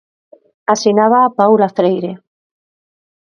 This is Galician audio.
Asinábaa Paula Freire.